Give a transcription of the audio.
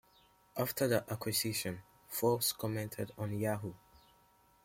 After the acquisition, Forbes commented on Yahoo!